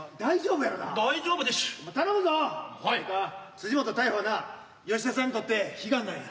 辻本逮捕はな吉田さんにとって悲願なんや。